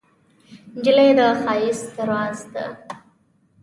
نجلۍ د ښایست راز ده.